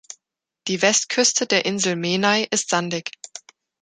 Die Westküste der Insel Menai ist sandig.